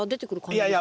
いやいや。